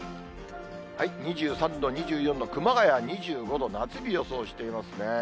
２３度、２４度、熊谷２５度、夏日を予想してますね。